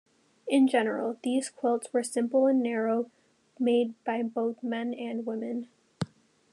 In general, these quilts were simple and narrow, made by both men and women.